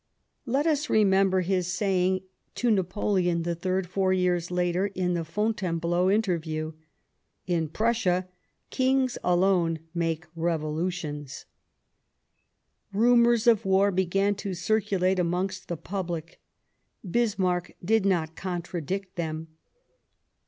Let us remember his saying to Napoleon III, four years later, in the Fontainebleau interview :" In Prussia Kings alone make revolutions," Rumours of war began to circulate amongst the public ; Bismarck did not contradict them.